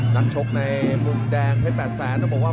นักชกในมุมแดงเพชร๘แสนต้องบอกว่า